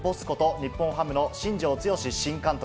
日本ハムの新庄剛志新監督。